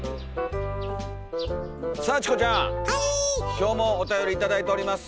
今日もおたより頂いております。